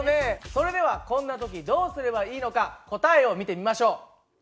それではこんな時どうすればいいのか答えを見てみましょう。